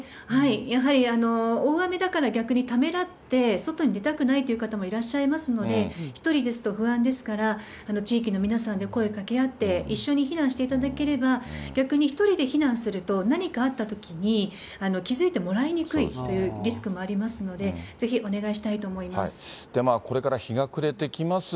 やはり大雨だから、逆にためらって、外に出たくないという方もいらっしゃいますので、１人ですと不安ですから、地域の皆さんが声かけ合って、一緒に避難していただければ、逆に１人で避難すると、何かあったときに気付いてもらいにくいというリスクもありますので、これから日が暮れてきます。